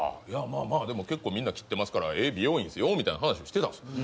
いやまあでも結構みんな切ってますからええ美容院ですよみたいな話をしてたんです。